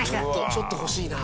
ちょっと欲しいな。